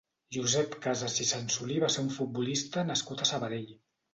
Josep Casas i Sansolí va ser un futbolista nascut a Sabadell.